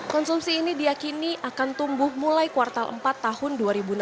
konsumsi ini diakini akan tumbuh mulai kuartal empat tahun dua ribu enam belas